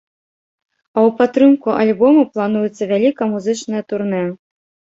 А ў падтрымку альбома плануецца вялікае музычнае турнэ.